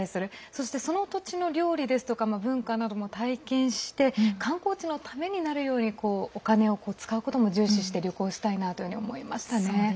そして、その土地の料理ですとか文化なども体験して観光地のためになるようにお金を使うことも重視して旅行したいなというふうに思いましたね。